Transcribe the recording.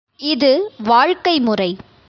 இது வாழ்க்கை முறை.